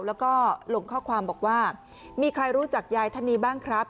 แล้วก็ลงข้อความบอกว่ามีใครรู้จักยายท่านนี้บ้างครับ